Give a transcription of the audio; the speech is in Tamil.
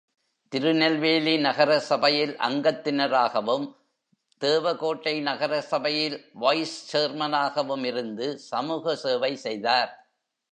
திருநெல்வேலி நகரசபையில் அங்கத்தினராகவும், தேவ கோட்டை நகர சபையில் வைஸ்சேர்மனகவும் இருந்து சமூக சேவை செய்தார்.